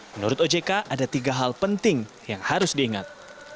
menurut ojk ada tiga hal penting yang harus diingat